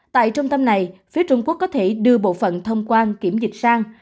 tại trung tâm này phía trung quốc có thể đưa bộ phận thông quan kiểm dịch sang